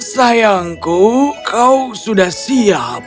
sayangku kau sudah siap